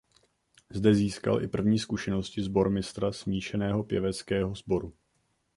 Zde získal i první zkušenosti sbormistra smíšeného pěveckého sboru.